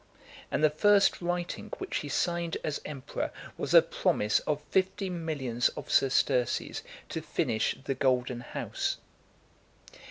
And the first writing which he signed as emperor, was a promise of fifty millions of sesterces to finish the Golden house .